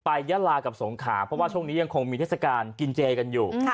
ยะลากับสงขาเพราะว่าช่วงนี้ยังคงมีเทศกาลกินเจกันอยู่